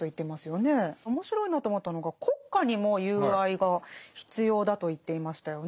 面白いなと思ったのが国家にも友愛が必要だと言っていましたよね。